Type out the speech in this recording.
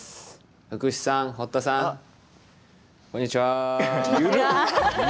福士さん、堀田さん、こんにちは。